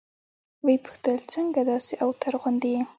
ويې پوښتل څنگه داسې اوتر غوندې يې.